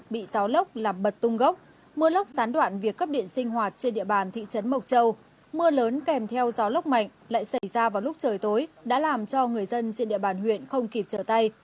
bị gió lốc làm bật tung gốc mưa lốc gián đoạn việc cấp điện sinh hoạt trên địa bàn thị trấn mộc châu mưa lớn kèm theo gió lốc mạnh lại xảy ra vào lúc trời tối đã làm cho người dân trên địa bàn huyện không kịp trở tay